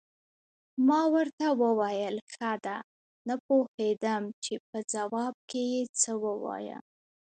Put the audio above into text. ما ورته وویل: ښه ده، نه پوهېدم چې په ځواب کې یې څه ووایم.